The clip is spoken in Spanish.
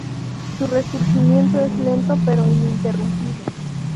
Su resurgimiento es lento pero ininterrumpido.